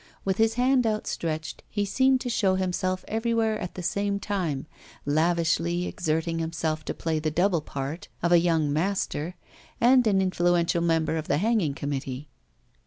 With his hand outstretched, he seemed to show himself everywhere at the same time, lavishly exerting himself to play the double part of a young 'master' and an influential member of the hanging committee.